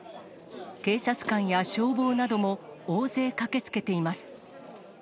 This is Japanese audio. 警察官や消防なども大勢駆けつけています。